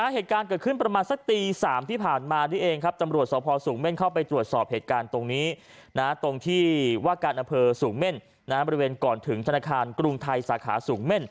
เหตุการณ์เกิดขึ้นปีสามที่ผ่านมานี่เองครับ